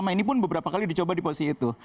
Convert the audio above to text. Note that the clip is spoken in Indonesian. tapi dia pun beberapa kali dicoba di posisi itu